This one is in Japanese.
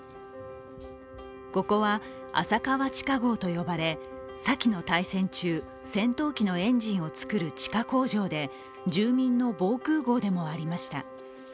ここは、浅川地下壕と呼ばれ先の大戦中戦闘機のエンジンを作る地下工場で住民の防空壕でもありました。